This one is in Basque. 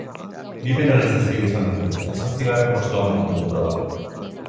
Bi penalizazio izan ditu, eta zortzigarren postuan bukatu du proba.